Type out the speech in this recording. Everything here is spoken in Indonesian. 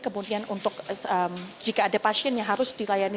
kemudian untuk jika ada pasien yang harus dilayani